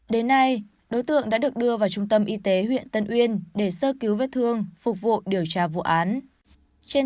đến nay đối tượng đã được đưa vào trung tâm y tế huyện tân uyên để sơ cứu vết thương phục vụ điều tra vụ án